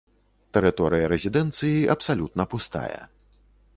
Тэрыторыя рэзідэнцыі абсалютна пустая.